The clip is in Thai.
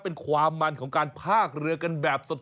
เป็นความมันของการพากเรือกันแบบสด